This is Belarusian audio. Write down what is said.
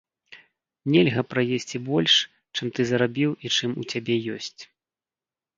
Нельга праесці больш, чым ты зарабіў ці чым у цябе ёсць.